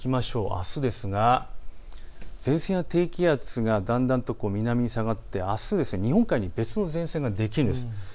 あすですが前線や低気圧がだんだんと南に下がってあす、日本海に別の前線ができます。